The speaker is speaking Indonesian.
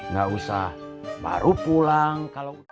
gak usah baru pulang